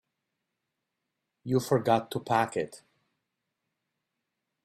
You forgot to pack it.